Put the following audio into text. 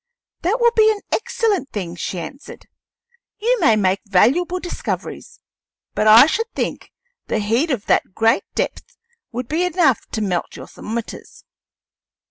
"That will be an excellent thing," she answered; "you may make valuable discoveries; but I should think the heat at that great depth would be enough to melt your thermometers."